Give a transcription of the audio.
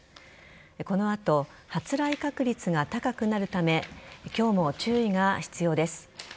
この後、発雷確率が高くなるため今日も注意が必要です。